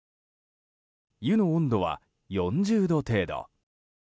湯の温度は、４０度程度。